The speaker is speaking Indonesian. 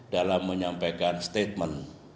dalam menyampaikan statement